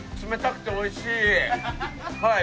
はい。